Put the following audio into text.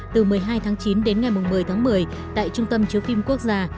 từ một mươi hai tháng chín đến ngày một mươi tháng một mươi tại trung tâm chiếu phim quốc gia